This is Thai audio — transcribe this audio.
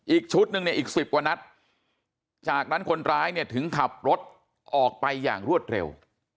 อีกชุดหนึ่งเนี่ยอีก๑๐กว่านัดจากนั้นคนร้ายเนี่ยถึงขับรถออกไปอย่างรวดเร็ว